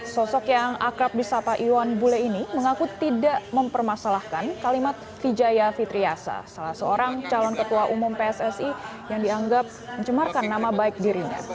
sosok yang akrab di sapa iwan bule ini mengaku tidak mempermasalahkan kalimat vijaya fitriasa salah seorang calon ketua umum pssi yang dianggap mencemarkan nama baik dirinya